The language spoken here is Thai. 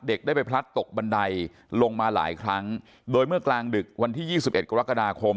เด็กได้ไปพลัดตกบันไดลงมาหลายครั้งโดยเมื่อกลางดึกวันที่ยี่สิบเอ็ดกรกฎาคม